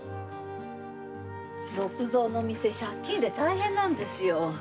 六造の店借金で大変なんですよ。